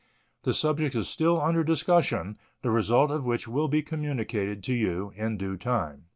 The subject is still under discussion, the result of which will be communicated to you in due time.